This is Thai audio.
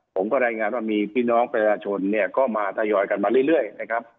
ผมก็รายงานว่ามีพี่น้องประชาชนเนี่ยก็มาทยอยกันมาเรื่อยนะครับ